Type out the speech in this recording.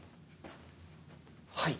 はい。